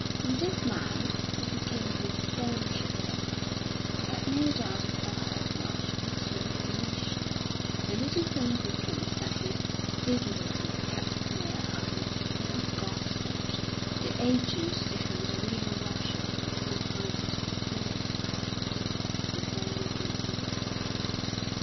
From this man, who became his staunch ally, he had no doubt acquired much useful information; and it is significant that he sedulously kept clear of Mr. Gosford, the agent to whom the real Roger had confided his sealed packet before leaving England.